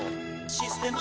「システマ」